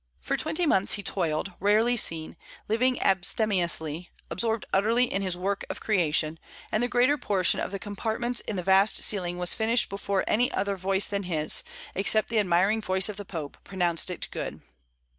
For twenty months he toiled, rarely seen, living abstemiously, absorbed utterly in his work of creation; and the greater portion of the compartments in the vast ceiling was finished before any other voice than his, except the admiring voice of the Pope, pronounced it good.